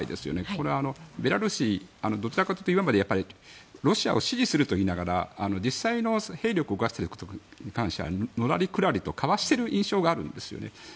これはベラルーシどちらかというと今までロシアを支持するといいながら実際の兵力に関してはのらりくらりと、かわしている印象があるんですよね。